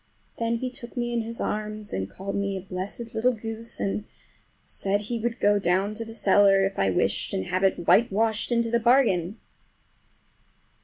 Then he took me in his arms and called me a blessed little goose, and said he would go down cellar if I wished, and have it whitewashed into the bargain.